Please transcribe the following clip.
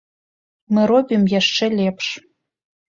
Мы робім яшчэ лепш.